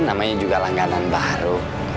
namanya juga langganan baru